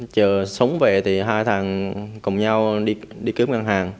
chờ sống về thì hai thàng cùng nhau đi cướp ngân hàng